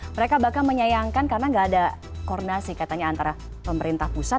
mereka bahkan menyayangkan karena nggak ada koordinasi katanya antara pemerintah pusat